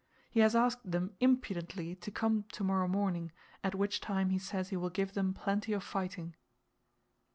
He has asked them impudently to come to morrow morning, at which time he says he will give them plenty of fighting.